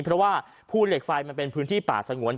เพราะว่าภูเหล็กไฟมันเป็นพื้นที่ป่าสงวน